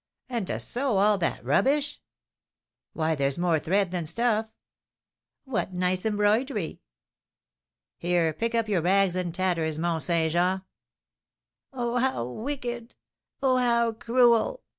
"And to sew all that rubbish!" "Why, there's more thread than stuff." "What nice embroidery!" "Here, pick up your rags and tatters, Mont Saint Jean." "Oh, how wicked! Oh, how cruel!"